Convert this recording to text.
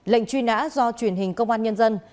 lệnh truy nã do truyền hình công an nhân dân